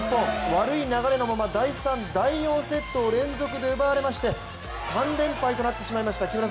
悪い流れのまま第３、第４セットを連続で奪われまして３連敗となってしまいました。